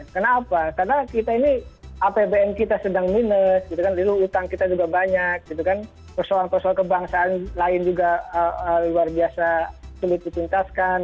kenapa karena kita ini apbn kita sedang minus lalu utang kita juga banyak persoalan persoalan kebangsaan lain juga luar biasa sulit dituntaskan